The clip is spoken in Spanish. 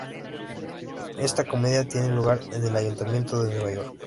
Esta comedia tiene lugar en el ayuntamiento de Nueva York.